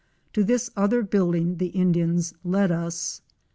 To this other building the Indians led us.